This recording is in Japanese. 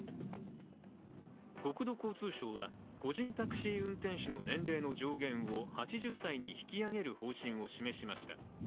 国土交通省は、個人タクシー運転手の年齢の上限を８０歳に引き上げる方針を示しました。